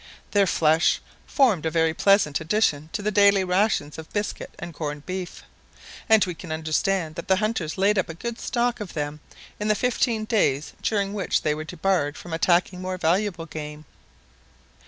Their flesh formed a very pleasant addition to the daily rations of biscuit and corned beef, and we can understand that the hunters laid up a good stock of them in the fifteen days during which they were debarred from attacking more valuable game.